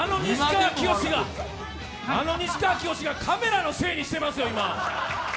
あの西川きよしがカメラのせいにしてますよ、今。